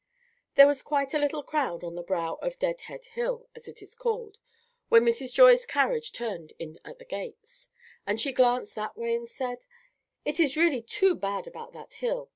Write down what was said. There was quite a little crowd on the brow of "Deadhead Hill," as it is called, when Mrs. Joy's carriage turned in at the gates; and she glanced that way and said, "It is really too bad about that hill!"